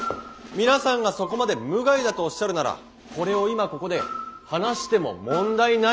皆さんがそこまで無害だとおっしゃるならこれを今ここで放しても問題ないってことですね！？」。